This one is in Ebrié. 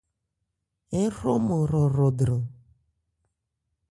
Ń hrɔman hrɔhrɔ dran.